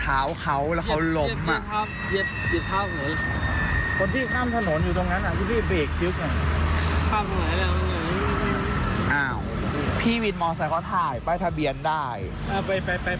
อ่าไปไปเรียกมาไปเรียกมา